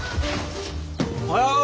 おはよう！